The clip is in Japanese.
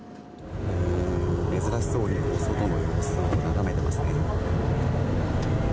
珍しそうに外の様子を眺めていますね。